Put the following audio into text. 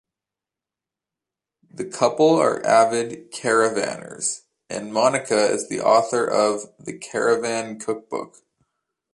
The couple are avid caravanners, and Monica is the author of "The Caravan Cookbook".